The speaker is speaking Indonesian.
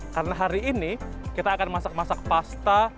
karena hari ini kita akan masak masak pasta